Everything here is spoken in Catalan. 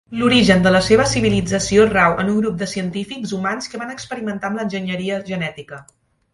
L'origen de la seva civilització rau en un grup de científics humans que van experimentar amb l'enginyeria genètica.